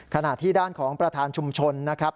ขณะที่ด้านของประธานชุมชนนะครับ